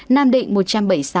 nam định một trăm bảy mươi sáu